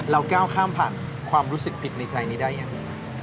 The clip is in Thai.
ก้าวข้ามผ่านความรู้สึกผิดในใจนี้ได้ยังไง